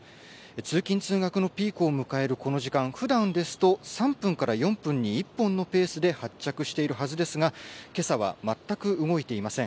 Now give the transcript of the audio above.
通勤通学のピークを迎えるこの時間、ふだんですと３分から４分に１本のペースで発着しているはずですがけさは全く動いていません。